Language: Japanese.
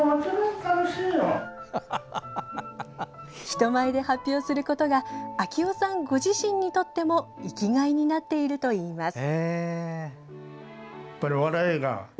人前で発表することがあきおさんご自身にとっても生きがいになっているといいます。